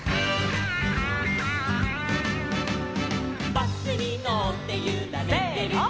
「バスにのってゆられてる」せの！